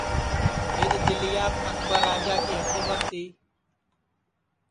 جِدؔ دِلیاپ اکبر راجا کی حکُمت تی